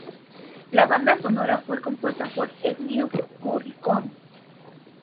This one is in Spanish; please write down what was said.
La banda sonora fue compuesta por Ennio Morricone.